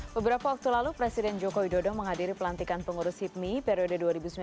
beberapa waktu lalu presiden joko widodo menghadiri pelantikan pengurus hipmi periode dua ribu sembilan belas dua ribu dua puluh